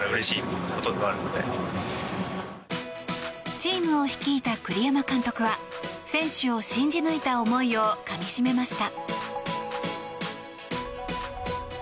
チームを率いた栗山監督は選手を信じ抜いた思いをかみ締めました。